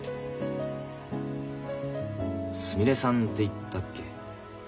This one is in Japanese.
すみれさんっていったっけ